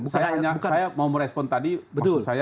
saya mau merespon tadi maksud saya